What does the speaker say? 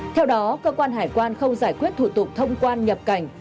theo đó cơ quan hải quan không giải quyết thủ tục thông quan nhập cảnh